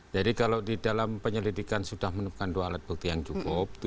jadi kalau di dalam penyelidikan sudah menemukan dua alat bukti yang cukup